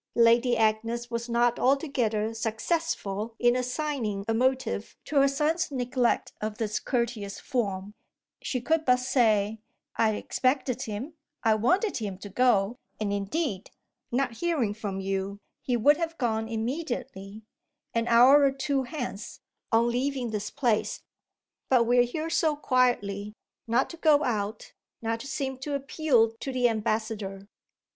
Lady Agnes was not altogether successful in assigning a motive to her son's neglect of this courteous form; she could but say: "I expected him, I wanted him to go; and indeed, not hearing from you, he would have gone immediately an hour or two hence, on leaving this place. But we're here so quietly not to go out, not to seem to appeal to the ambassador.